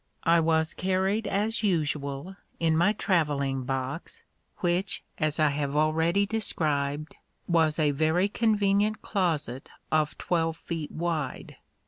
I was carried as usual, in my travelling box, which, as I have already described, was a very convenient closet of twelve feet wide.